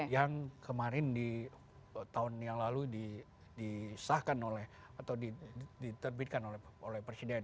yang kemarin di tahun yang lalu disahkan oleh atau diterbitkan oleh presiden